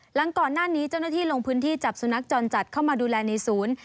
หลังก่อนหน้านี้เจ้าหน้าที่ลงพื้นที่จับสุนัขจรจัดเข้ามาดูแลในศูนย์